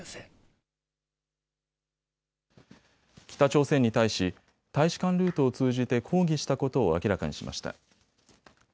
北朝鮮に対し、大使館ルートを通じて抗議したことを明らかにしました。